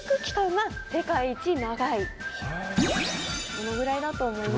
どのぐらいだと思います？